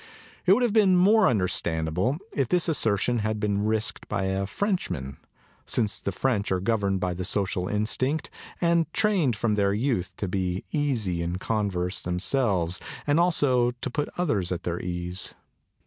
It would have been more understandable if this assertion had been risked by a Frenchman, since the French are governed by the social instinct and trained from their youth up to be easy in converse themselves and also to put others at their ease.